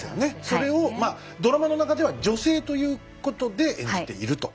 それをまあドラマの中では女性ということで演じていると。